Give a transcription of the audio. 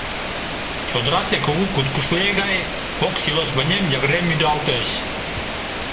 Чодырасе кугу куткышуэ гай кок силос вынем йыгыре мӱдалтыч.